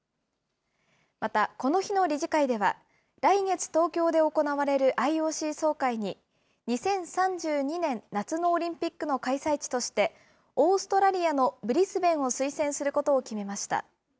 また、この日の理事会では、来月、東京で行われるＩＯＣ総会に、２０３２年夏のオリンピックの開催地として、オーストラリアのブリスベンを推薦することを決めました。